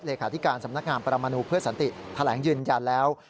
เหลือขาดิการสำนักงามประมาณูเพื่อสันติแถลงยืนยันแล้ว